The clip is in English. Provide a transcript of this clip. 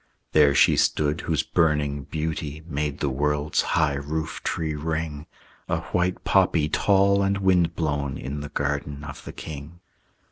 There she stood whose burning beauty Made the world's high roof tree ring, A white poppy tall and wind blown In the garden of the king.